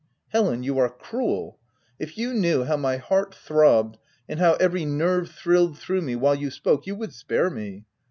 " Helen, you are cruel. If you knew how my heart throbbed, and how every nerve thrilled through me while you spoke, you would spare me.